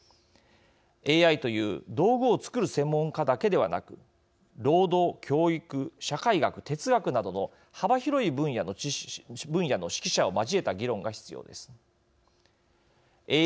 ＡＩという道具を作る専門家だけではなく労働教育社会学哲学などの幅広い分野の識者を交えた議論が必要です。